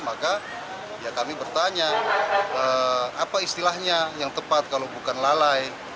maka ya kami bertanya apa istilahnya yang tepat kalau bukan lalai